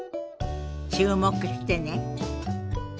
注目してね。